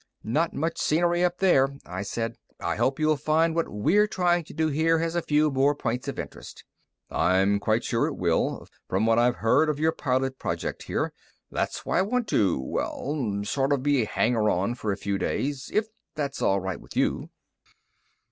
"Not much scenery up there," I said. "I hope you'll find what we're trying to do here has a few more points of interest." "I'm quite sure it will, from what I've heard of your pilot project here. That's why I want to, well, sort of be a hanger on for a few days, if that's all right with you."